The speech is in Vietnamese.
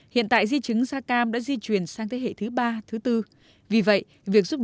hiện tại di chứng da cam đã di chuyển sang thế hệ thứ ba thứ bốn